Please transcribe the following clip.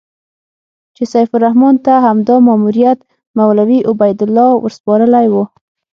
چې سیف الرحمن ته همدا ماموریت مولوي عبیدالله ورسپارلی و.